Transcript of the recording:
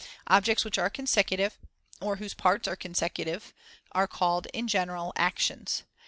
Objects which are consecutive, or whose parts are consecutive, are called, in general, actions.